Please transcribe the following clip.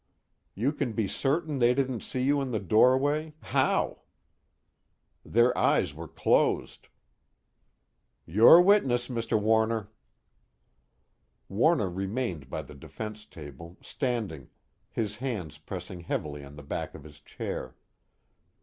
"You can be certain they didn't see you in the doorway how?" "Their eyes were closed." "Your witness, Mr. Warner." Warner remained by the defense table, standing, his hands pressing heavily on the back of his chair.